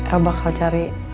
el bakal cari